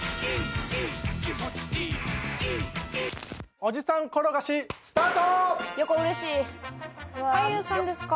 おじさん転がしスタート！